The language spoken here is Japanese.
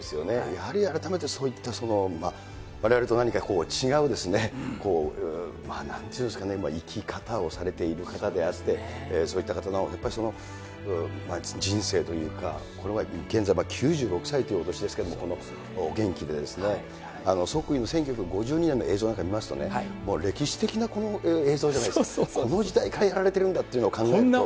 やはり改めて、そういった、われわれと何か違うですね、なんちゅうんですかね、生き方をされている方であって、そういった方の、やっぱり人生というか、現在９６歳というお年ですけれども、このお元気で、即位の１９５２年の映像なんか見ますとね、もう歴史的な映像じゃないですか、この時代からやられているんだっていうのを感じると。